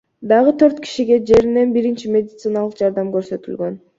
Дагы төрт кишиге жеринен биринчи медициналык жардам көрсөтүлгөн.